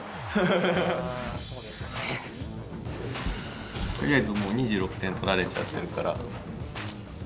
あそうですね。とりあえずもう２６点取られちゃってるから。